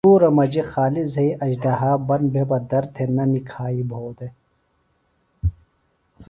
انگُورہ مجیۡ خالیۡ زھئیۡ اژدھا بند بھےۡ بہ در تھےۡ نہ نِکھائیۡ بُھو دےۡ